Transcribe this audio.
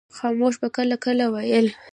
خاموش به کله کله ویل.